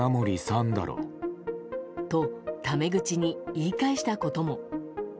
と、ため口に言い返したことも。